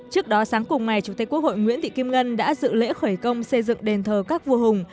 trước đó sáng cùng ngày chủ tịch quốc hội nguyễn thị kim ngân đã dự lễ khởi công xây dựng đền thờ các vua hùng